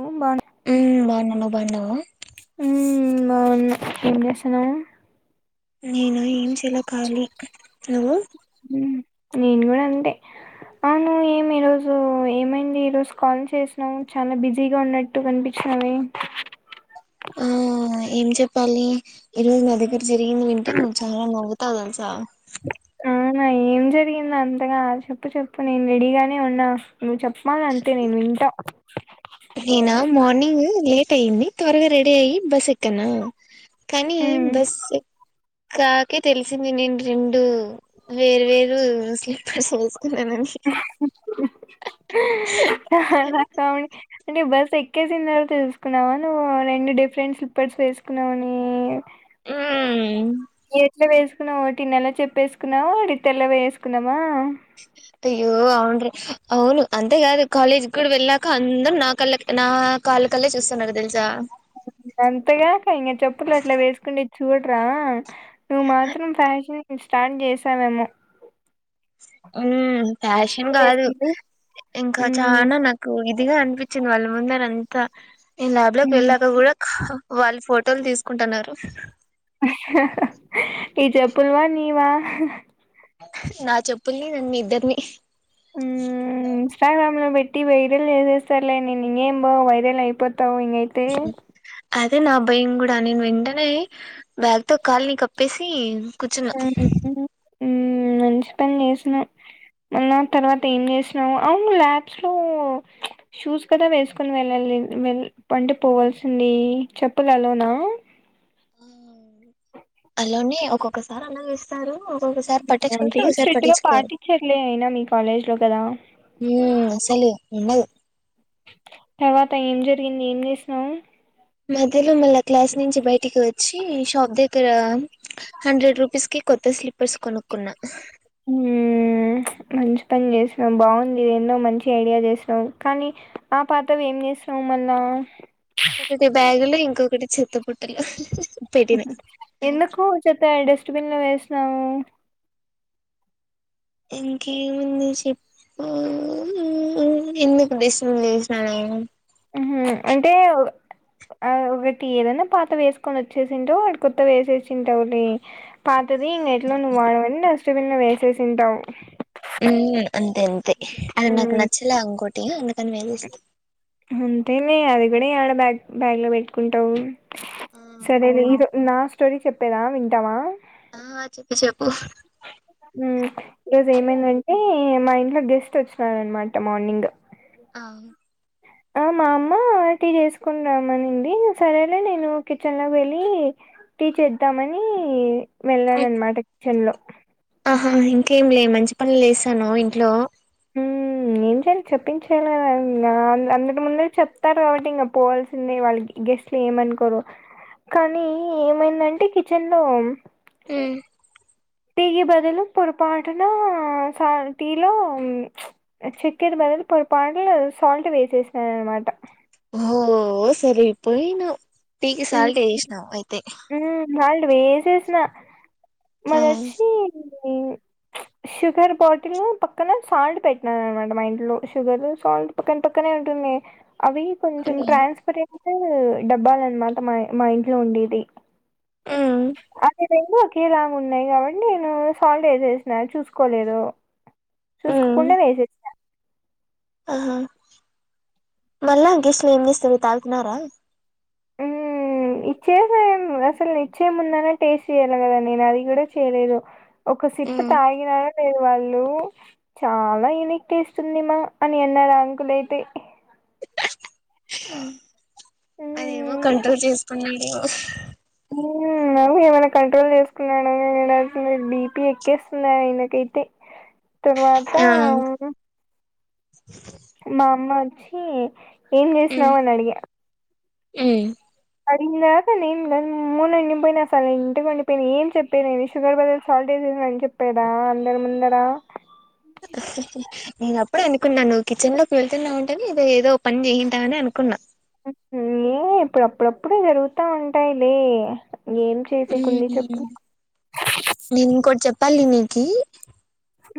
ఎం బాగు ఉ బాగున్న నువ్వు బాన్నవా ఉ బాగున్న ఏం చేస్తున్నావు. నేను ఏంచేయాలె కాలి నువ్వు ఉ నేను కూడా అంతే అవును ఏమి ఈ రోజు ఏమైంది ఈ రోజు కాల్ చేసినావు చాలా బిజీగా ఉన్నట్టు కనిపించ, అరే ఆ ఏం చెప్పాలి ఈ రోజు నా దగ్గర జరిగింది వింటే నువ్వు చాలా నవ్వుతావు తెల్సా, అవునా ఏం జరిగింద అంతగా చెప్పు చెప్పు నేను రెడీగానే ఉన్నా నువ్వు చెప్పాల అంతే నేను వింటా, నిన్న మార్నింగ్ లేట్ అయింది త్వరగా రెడీ అయి బస్ ఎక్కనా కానీ ఉమ్ బస్ ఎక్కకే తెలిసింది, నేను రెండు వేరు వేరు ము స్లీప్పర్స్ వేసు. [unintelligible] అంటే బస్ ఎక్కేసిందార తెలుసుకున్నావా నువ్వు రెండు డిఫరెంట్ స్లిప్పర్స్ వేసుకున్నావు అని. ఊ ఏట్లా వేసుకున్నావు ఒట్టి నల్ల చెప్పు చెప్పేసుకున్నావు ఒకటి తెల్ల వేసుకున్నామా. అయ్యో అవును. అవును అంతేకాదు కాలేజీ కూడా వెళ్ళాక అందరు నా కళ్ళ నా కాళ్ళ కల్లే చూస్తున్నారు తెలుసా. అంతేగాక ఇంక చెప్పులు అట్లా వేసుకుంటే చూడరా. నువ్వు మాత్రం ఫ్యాషన్ స్టార్ట్ చేసావేమో. హు ఫ్యాషన్ కాదు వేసుకుంది ఇంకా మ్మ్ చానా నాకు ఇది. ఇద్దిగా అనిపించింది వాళ్ళ ముందల అంతా నేను ల్యాబ్ లోకి మ్మ్ వెళ్ళాక కూడా. వాళ్ళు ఫోటోలు తీసుకుంటున్నారు. ఈ చెప్పుల్వా నీవా. నా చెప్పుల్ని నన్ను ఇద్దర్ని. ఊ ఇన్స్టాగ్రామ్ లో పెట్టి వైరల్ చేసేస్తర్లే నేను ఇంకేం బా వైరల్ అయిపోతా. తావు ఇంగ అయితే. అదే నా భయం కూడా నేను వెంటనే బ్యాగ్ తో కాలని కప్పేసి. కూచున్నా. ఊ మంచి పని చేసినావు. మా తర్వాత ఏం చేసినాము అవును ల్యాబ్స్ లో షూస్ కదా వేసుకొని వెళ్ళాలి. వెల్ పండి పోవల్సింది చెప్పులు ఆ లోనా. ఆ అలోనే ఒక్కొక్కసారి అలా వేస్తారు. ఒక్కొక్కసారి పట్టించుకుంటారు అంటేం ఒకసారి స్ట్రిక్ట్ గా పట్టించుకోరు పాటించర్లే అయినా మీ కాలేజ్ లో కదా. ఊ అసలు ఉండదు. తర్వాత ఏం జరిగింది ఏం చేసినావు. మధ్యలో మళ్ళా క్లాస్ నుంచి బయటికి వచ్చి షాప్ దగ్గర హండ్రెడ్ రూపీస్ కి. కొత్త స్లీపర్స్ కొనుక్కున్నా. హంగే మంచి పని చేసినాం బాగుంది ఇది ఎన్నో మంచి ఐడియా చేసినాం కానీ ఆ పాతవి ఏం సో మళ్ళా. ఒకటి బ్యాగులో ఇంకొకటి చెత్త పుట్టలో. ఎందుకు చెత్త డస్ట్బిన్ లో వేసినావు. ఇంకేముంది చెప్ హ్మ్ ఎందుకు డిస్ రూల్ చేసినాడు టాక్. ఆ ఒకటి ఏదైనా పాత వేసుకొని వచ్చేసింటావు వాటీకి కొత్త వేసేసింటావులే పాతది. ఎట్లా నువ్వు వాడవని డస్ట్బిన్ లో వేసేసింటావు. హ్మ్ అంతే అంతే అది నాకు మ్మ్ నచ్చలే అంకోటి అందుకాని వేసేస్తి తిని అది కూడా ఆడ బ్యాగ్ బ్యాగ్ లో పెట్టుకుంటావు ఆ సరేలే ఇదో నా. స్టోరీ చెప్పేదా వింటావా. ఆ చెప్పు చెప్పు. ఉమ్ ఈరోజు ఏమైందంటే మా ఇంట్లో గెస్ట్ వచ్చినారన్మాట మార్నింగ్. ఆ. ఆ మా అమ్మ టీ చేసుకుని రమ్మ నింది సరేలే నేను కిచెన్ లో వెళ్ళి. టీ చేద్దామని వెల్లాను అనమాట కిచెన్ లో. ఆహా ఇంకేం లే మంచి పనులు లేసాను ఇంట్లో. హ్మ్. ఏం చేయాలి చెప్పించేయాల కదా ఆ అందరి ముందే చెప్తారు కాబట్టి ఇంకా పోవాల్సిందే వాళ్ళకి. గెస్ట్ లు ఏమనుకోరు కానీ ఏమైందంటే కిచెన్ లో. హు టీకి బదులు పొరపాటున సా టీలో చక్కెరి బదులు పొరపాటులో సాల్ట్ వేసేసిన అనమాట ఓ సరి పోయినావు టీకి సాల్ట్ ఎషేషినావఅయితే ఉ సాల్ట్ వేసేసిన మదోచ్చి షుగర్ బాటిల్ పక్కన సాల్ట్ పెట్టినారు అనమాట మా ఇంట్లో షుగర్ సాల్ట్ పక్కన పక్కనే టున్నే అవి కొంచెం ట్రాన్స్పరెంట్ డబ్బాలన్మాట మా మా ఇంట్లో ఉండేది మ్మ్ అదే రెండు ఒకేలా ఉన్నాయి కాబట్టి నేను సాల్డే ఏసేసిన చూసుకోలేదు మ్మ్ చూసుకోకుండా వేసేసిన ఆహా మళ్ళాం గెస్లు ఏం చేస్తారు తాగుతున్నారా ఉ ఇచ్చేసే ఏం అసలు ఇచ్చే ముందనే టేస్ట్ చేయాలి కదా నేను అది కూడా చేయలేదు ఒక సిప్ ఉమ్ తాగినారా లేదు వాళ్ళు చాలా యునిక్ టేస్ట్ ఉంది మా అని అన్నారు ఆ అంకులయితే అదేమో హ్మ్. కంట్రోల్ చేసుకున్నాడెమో ఉ ఏమైనా కంట్రోల్ చేసుకున్నా [unintelligible] ఉండాల్సింది బీపి ఎక్కేస్తుంది ఆయనకైతే తర్వాత ఆ మా అమ్మ అచ్చి ఏం చేసినావు అని అడిగా ఉ అడిగినాకా నేను మొన్నయి నింపైన సరే ఇంటివండిపోయిన ఏం చెప్పే నేను షుగర్ బదులు సాల్ట్ ఏసి తినమని చెప్పేదా అందరి ముందరా నేను అప్పుడు అనుకున్నా నువ్వు కిచెన్ లోకి వెళ్తున్నావుంటేనే ఇద ఏదో పని చేసింటావని అనుకున్నా హుమో ఇప్పుడు అప్పుడప్పుడు జరుగుతా ఉంటాయిలే ఏం చేసేకుంది చెప్పు నేను ఇంకోటి చెప్పాలి నీకి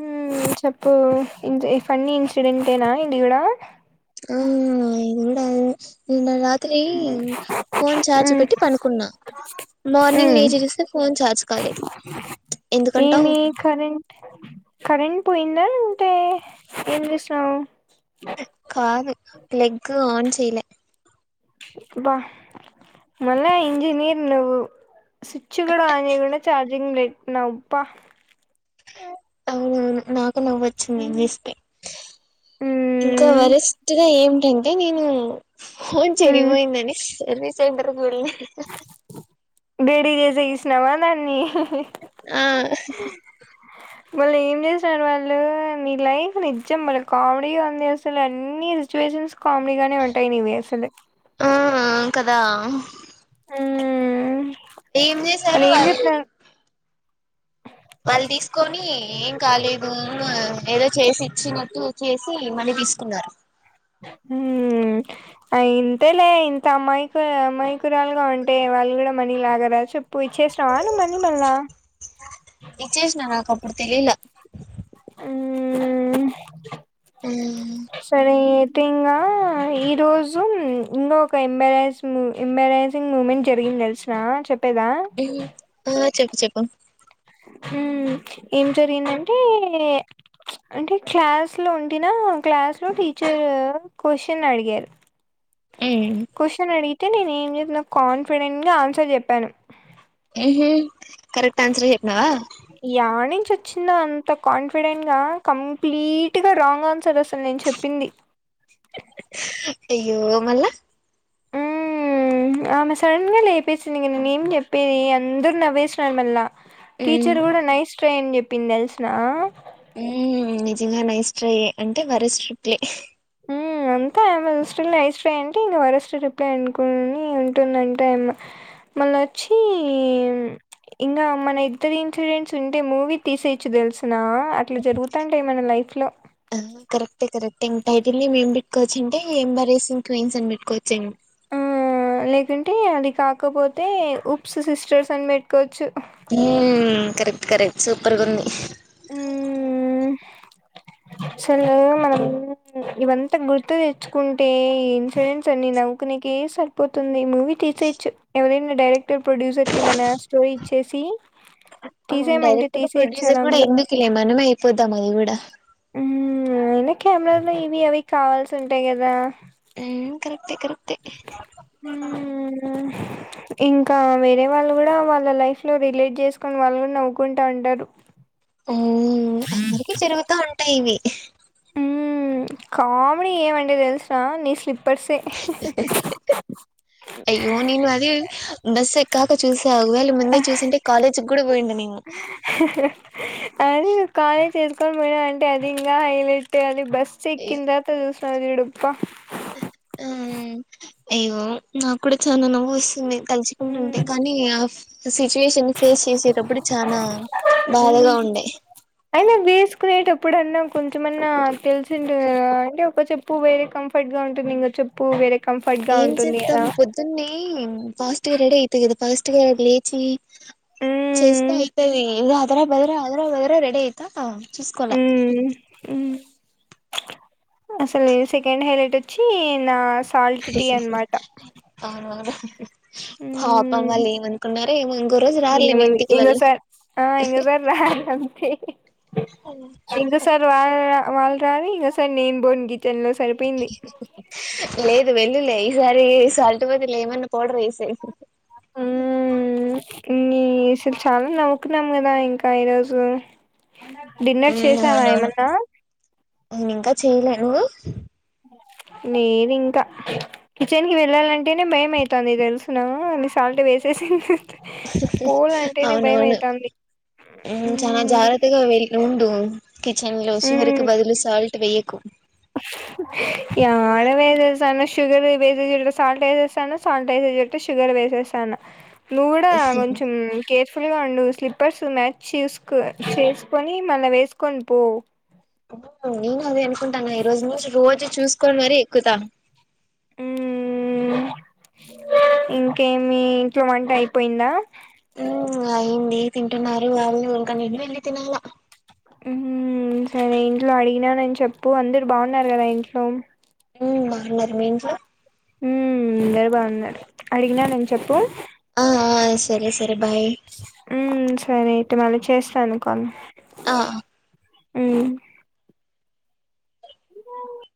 ఉమ్ చెప్పు ఇ ఫన్నీ ఇన్సిడెంటెనా ఇది కూడా ఆ నెంగూడదే [unintelligible] రాత్రి ఫోన్ చార్జ్ మ్మ్ పెట్టి పండుకున్నా మార్నింగ్ మ్మ్ లేచి జూస్తే ఫోన్ చార్జ్ కాలేదు ఎందుకంటావు ఏమీ కరెంట్ కరెంట్ పోయిందా లేకుంటే ఏం జేస్తున్నవ్ కాదు లెగ్గ్ ఆన్ చేయలే బ్బ మల్ల ఇంజనీర్ నువ్వు స్విచ్చుగుడా ఆన్ జేయకుండ చార్జింగ్ పెట్టినవ్ బ్బా అవునువును నాక్ పుడు నవ్వోచ్చింది మ్మ్ నిన్జుస్తే ఇంకా మ్మ్ వరస్ట్ గా ఏం టంటే నేను ఫోన్ చెరిగిపోయిందని సర్వీస్ సెంటర్కి వెల్లిన డేరింగ్ జేసి గీసినావా దాన్ని ఆ వాళ్ళు ఏం చేసారు వాళ్ళు నీ లైఫ్ నిజ్జం బలే కామెడీగ ఉంది అసలన్నీ సిచ్యువేషన్స్ కామెడీగానే ఉంటయి నీవి అసలు ఆ కదా మ్మ్ ఏం జేసారు ఏం వాళ్ళు చెప్పినారు వాళ్తీసుకొని ఏం కాలేదు ఏం ఏదో చేసి చ్చినట్లు చేసి మళ్ళీ తీసుకున్నారు హ్మ్ అయిత్ ఇంతేలే ఇంత అమాయక అమాయకురాలుగా ఉంటే వాళ్ళు గుడా మనీ లాగరా చెప్పు ఇచ్చేస్త్ అవును మణిమల్లా ఇచ్చేశ్నా నాకప్పుడు తెలీలా ఉమ్మ్ సరేతీంగా అ ఈ రోజు ఇంగొ ఒక ఎంబాడైన్స్ ము ఎంబడైసింగ్ మూమెంట్ జరిగింది తెల్స్నా చెప్ ఆ చెప్పు చెప్పు హ్మ్ ఏం జరిగిందంటే అంటే క్లాస్ లో ఉంటినా క్లాస్ లో టీచర్ క్వశ్చన్ అడిగారు క్వశ్చన్ అడిగితే నేనేం జెప్పిన కాన్ఫిడెంట్ గ ఆన్సర్ జెప్పాను కరెక్ట్ ఆన్సరే జెప్పినవా చొచ్చిందో అంత కాన్ఫిడెంట్ గా కంప్లీట్ గా రాంగ్ ఆన్సర్ అసలు నేను చెప్పింది అయ్యో మళ్ళ ఊమ్ ఉమ్ ఆమె సడన్గా లేపేసిందిగ నేనేం జెప్పేది అందరు నవ్వేసినారు మళ్ళా టీచర్ గూడ నైస్ ట్రై అన్ జెప్పింది తెల్స్నా ఊమ్ నిజంగా నైస ట్రై యే అంటే వరస్ట్రిప్లే ఉమ్ అంటె ఆమే దృష్టిలో నైస్ ట్రై అంటే ఇంక వరస్ట్ రిప్లై అనుకుని ఉంటుందంటే ఆమ మళ్ళచ్చి ఇంగా మన ఇద్దరి ఇన్ఫ్లుయెన్స్ ఉంటే మూవీ తీసే రించి తెల్సనా అట్లా జరుగుతుంటాయ్ మన లైఫ్ లో టెన్ టైటిల్ నేమ్ ఏం పెట్టుకోవచ్చుంటే ఏంబరైసింగ్ క్వీన్స్ అని పెట్టుకోవచ్చేమో ఆ లేకుంటే అది కాకపోతే ఉప్స్ సిస్టర్స్ అన్ బేట్టుకోవచ్చు ఉహ్మ్ కరెక్ట్ కరెక్ట్ సూపర్గుంది ఊమ్మ్ అసలు మనం ఇవంతా గుర్తు దెచ్చుకుంటే ఈ ఇన్సిడెన్స్ అన్ని నవ్ కొనికే సరిపోతుంది మూవీ తీసేయచ్చు, ఎవరైనా డైరెక్టర్ ప్రొడ్యూసర్ కి మన స్టోరీ ఇచ్చేసి ట్టి డైరెక్టర్ ప్రొడ్యూసర్ గూడ ఎందుకులే మనమే ఐపోద్దాం అది గూడా ఉమ్, అయినా కెమెరాలు ఇవి అవి కావాల్సి ఉంటయి గదా ఊమ్ కరెక్ హ్మ్ మ్మ్ ఇంకా వేరే వాళ్ళు కూడా వాళ్ళ లైఫ్ లో రిలేట్ జేసుకుని వాళ్ళు కూడా నవ్వుకుంటా ఉంటారు ఓ అందరికి జరుగుతా ఉంటాయి ఇవి హ్ హ్మ్ కామెడీ ఏమంటే తెలుస నీ స్లిప్ హ్ హ్ హ్ అయ్యో నేను అది బస్ ఎక్కాక చూస్ త ఒగవేళ ముందే చూసింటే కాలేజుగూడ పోయుండనేమో చేసుకొని పోయినా అంటే అది ఇంగా హైలెట్ అది బస్సు ఎక్కిన తర్వాత చూసినజూడుప్ప ఆ అయ్యో నాకు కూడా చానా నవ్వొస్తుంది తలుచుకుంటుంటే కానీ ఏ ఆఫ్ సిచ్యువేషను ఫేస్ చేసేటప్పుడు చానా బాధగా ఉండే అయినా వేసుకునేటప్పుడన్నా కొంచెమన్నా తెలిసి ఉంటది కదా అంటే ఒక చెప్పు వేరే కంఫర్ట్ గా ఉంటుంది ఇంకో చెప్పు వెరె ఏం చేద్దాం పొద్దున్నె ఫాస్టుగా రెడీ అయిత గదా ఫాస్టుగా లేచి చేస్త మ్మ్ అయితది ఇగ అదరా బదర అదర బదర రెడి అయిత చూసుకోల అసలీ సెకండ్ హైలెట్ ఒచ్చి నాస్ హి హి హీ అవునవును హ్ హ్ హ్ ఉ ఊమ్ ఏమో ఇంకో రోజు రారులే మీ ఏముంది ఇంటికి వాళ్ళు ఇంగోసరి ఆ ఇంగోసరి రాడం హ్ హ్ ఇంకోసారి రార వాళ్ళు రాని ఇంకా సర్ నేం బోన్ గితన్ లో సరిపోయింది ఇగ వెళ్లులెయ్ ఈసారి సాల్ట్ బదుల్ ఏమన్న పౌడరేసేయ్ మ్మ్ నీ అస్సల్ చాలా నవ్వుకున్నాం గదా ఇంకా ఈరోజు డిన్నర్ మ్మ్ చేసావా ఏమన్నా చెయలే నువు అ నేను ఇంకా కిచెన్కి వెళ్ళాలంటేనే భయమవుతంది తెలుసున అన్ని సాల్ట్ వేసేసి అవునవును అయితాంది ఊ చానా మ్మ్ జాగ్రత్తగా వెయ్యి వుండు కిచన్ లో సివరికి మ్మ్ బదులు సాల్ట్ వేయ్యకు యాడ వేసేసాను షుగర్ వేసేసే దగ్గర సాల్ట్ వేసేసాను సాల్ట్ వేసేసే దగ్గర షుగర్ వే వేసేసాను నువ్వు కూడా కొంచం కేర్ ఫుల్గా ఉండు స్లిప్పర్స్ మ్యాచ్ చేసుకో చేసుకొని మళ్ళీ వేసుకొని పో ఊ నేను అదే అనుకుంటన ఈ రోజు నుంచి రోజు చూసుకోని మరి ఎక్కుతా ఊ ఇంకేమి ఇంట్లో వంట అయిపోయిందా ఊ అయింది తింటున్నారు వాళ్ళు ఇంకా నేన్ వెళ్ళి తినాల ఊ సరే ఇంట్లో అడిగినానని చెప్పు అందరు బాగున్నారు కదా ఇంట్లో ఊ బాగున్నార్ మీ ఇంట్లో ఊ అందరు బాగున్నారు అడిగినానని చెప్పు ఆ ఆ సరే సరే బాయ్ ఊ సరే అయితే మళ్ళీ చేస్తాను కాల్ ఆ ఆ ఊ గిటాని వో